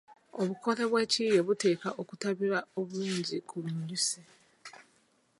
Obukole bw’ekiyiiye buteekwa okutabirwa obulungi ku munyusi.